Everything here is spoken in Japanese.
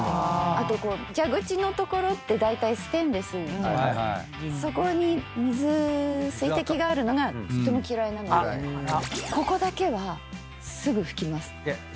あと蛇口の所ってだいたいステンレスそこに水滴があるのがとっても嫌いなのでここだけはすぐ拭きます。